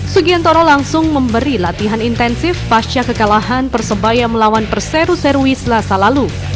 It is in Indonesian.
sugiantoro langsung memberi latihan intensif pasca kekalahan persebaya melawan perseru serui selasa lalu